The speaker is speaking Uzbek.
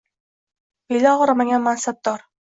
Beli og‘rimagan mansabdor